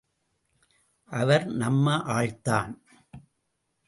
அவர் நம்ம ஆள்தான்.